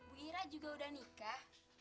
bu ira juga udah nikah